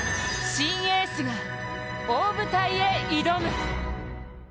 新エースが、大舞台へ挑む。